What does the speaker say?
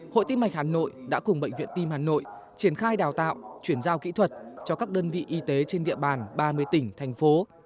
hội tim mạch hà nội đã cùng bệnh viện tim hà nội triển khai đào tạo chuyển giao kỹ thuật cho các đơn vị y tế trên địa bàn ba mươi tỉnh thành phố